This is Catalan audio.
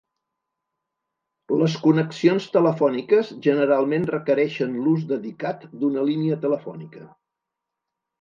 Les connexions telefòniques generalment requereixen l'ús dedicat d'una línia telefònica.